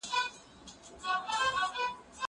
ايا ته درسونه اورې!.